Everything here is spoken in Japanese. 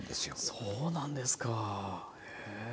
そうなんですかへえ。